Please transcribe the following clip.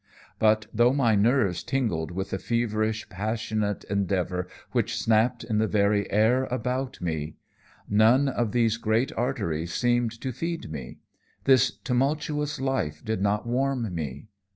But, though my nerves tingled with the feverish, passionate endeavor which snapped in the very air about me, none of these great arteries seemed to feed me; this tumultuous life did not warm me.